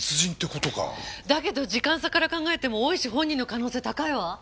だけど時間差から考えても大石本人の可能性高いわ！